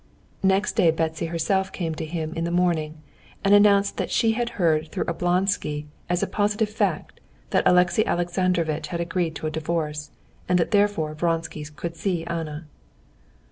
Next day Betsy herself came to him in the morning, and announced that she had heard through Oblonsky as a positive fact that Alexey Alexandrovitch had agreed to a divorce, and that therefore Vronsky could see Anna.